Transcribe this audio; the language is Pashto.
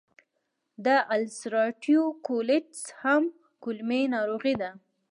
د السرېټیو کولیټس هم کولمې ناروغي ده.